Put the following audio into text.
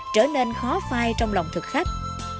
trở nên khó phai trong lòng thực khách